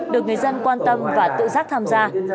được người dân quan tâm và tự giác tham gia